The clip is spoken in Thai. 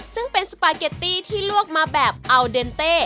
ซึ่งเป็นสปาเกตตี้ที่ลวกมาแบบอัลเดนเต้